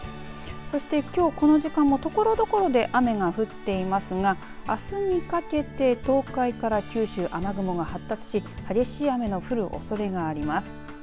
そして、きょうこの時間もところどころで雨が降っていますがあすにかけて東海から九州、雨雲が発達し激しい雨の降るおそれがあります。